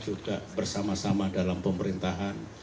juga bersama sama dalam pemerintahan